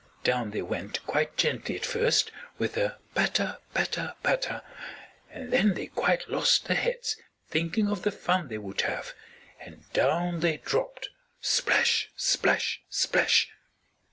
Down they went quite gently at first with a patter, patter, pat, and then they quite lost their heads, thinking of the fun they would have, and down they dropped, splash, splash, splash.